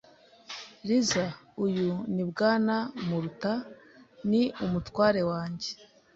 Lisa, uyu ni Bwana Murata. Ni umutware wanjye.